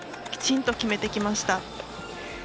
きちんと決めてきました。